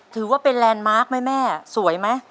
ถือว่าเป็นแลนด์มาร์คไหมแม่สวยไหม